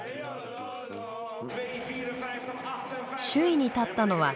首位に立ったのはカナダ。